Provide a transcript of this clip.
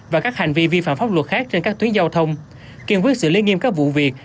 và các hành vi vi phạm pháp luật khác trên các tuyến giao thông kiên quyết xử lý nghiêm các vụ việc